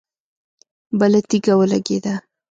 بله تيږه ولګېده.